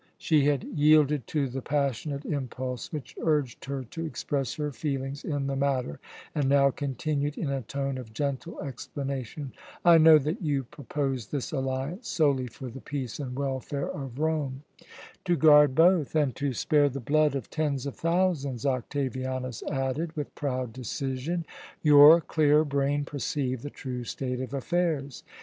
She had yielded to the passionate impulse which urged her to express her feelings in the matter, and now continued in a tone of gentle explanation: "I know that you proposed this alliance solely for the peace and welfare of Rome " "To guard both, and to spare the blood of tens of thousands," Octavianus added with proud decision. "Your clear brain perceived the true state of affairs.